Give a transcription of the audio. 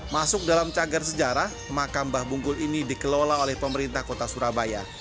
masuk dalam cagar sejarah makam mbah bungkul ini dikelola oleh pemerintah kota surabaya